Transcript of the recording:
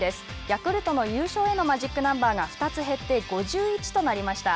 ヤクルトの優勝へのマジックナンバーが２つ減って５１となりました。